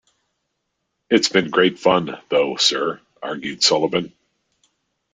"It's been great fun, though, sir," argued Sullivan.